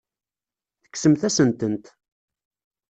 Tekksemt-asen-tent.